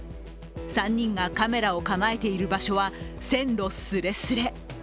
３人がカメラを構えている場所は線路すれすれ。